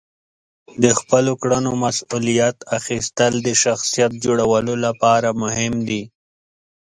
د خپلو کړنو مسئولیت اخیستل د شخصیت جوړولو لپاره مهم دي.